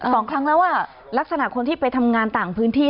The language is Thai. สองครั้งแล้วอ่ะลักษณะคนที่ไปทำงานต่างพื้นที่